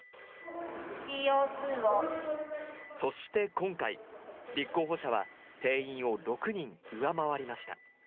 そして今回、立候補者は定員を６人上回りました。